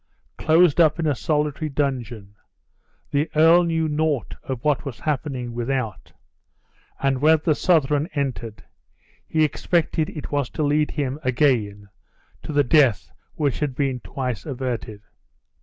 Closed up in a solitary dungeon, the earl knew naught of what was occurring without; and when the Southron entered, he expected it was to lead him again to the death which had been twice averted.